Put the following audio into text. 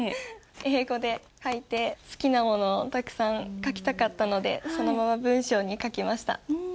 英語で書いて好きなものをたくさん書きたかったのでそのまま文章に書きました。